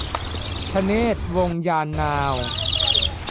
ธเนศ วงศ์ยานนาว